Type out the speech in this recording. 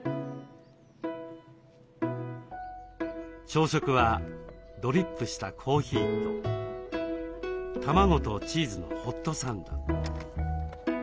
朝食はドリップしたコーヒーと卵とチーズのホットサンド。